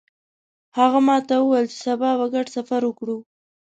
هغه ماته وویل چې سبا به ګډ سفر وکړو